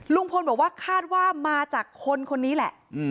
ลุงพลบอกว่าคาดว่ามาจากคนคนนี้แหละ